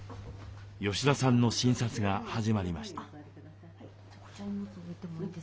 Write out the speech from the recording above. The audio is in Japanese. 吉田さんの診察が始まりました。